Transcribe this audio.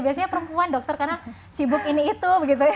biasanya perempuan dokter karena sibuk ini itu